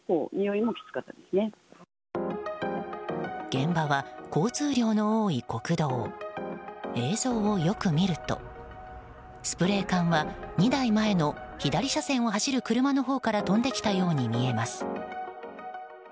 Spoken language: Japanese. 現場は、交通量の多い国道。映像をよく見るとスプレー缶は２台前の左車線を走る車のほうから飛んできたように見えます。